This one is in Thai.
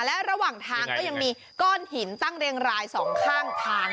และระหว่างทางก็ยังมีก้อนหินตั้งเรียงรายสองข้างทาง